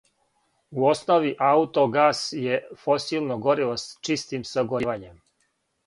У основи, аутогас је фосилно гориво с чистим сагоријевањем.